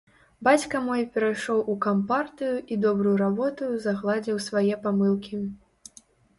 Бацька мой перайшоў у кампартыю і добраю работаю загладзіў свае памылкі.